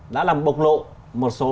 đã làm bộc lộ một số